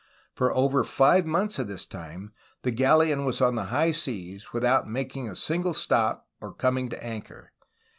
For over five months of this time the galleon was on the high seas, without making a single stop or coming to anchor.